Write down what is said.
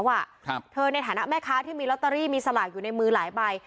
เธอในฐานะแม่ค้าที่มีลอตเตอรี่มีสลากอยู่ในมือหลายใบ